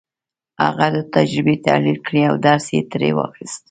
هغه دا تجربې تحليل کړې او درس يې ترې واخيست.